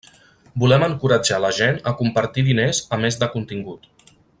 Volem encoratjar la gent a compartir diners a més de contingut.